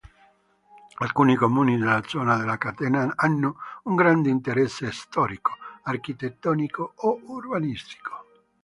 Alcuni comuni della zona della catena hanno un grande interesse storico, architettonico o urbanistico.